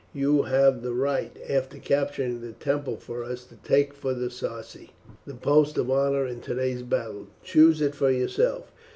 You have the right, after capturing the temple for us, to take for the Sarci the post of honour in today's battle. Choose it for yourself.